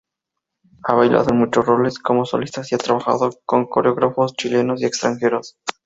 Ha bailado en muchos roles como solistas, y trabajado con coreógrafos chilenos y extranjeros.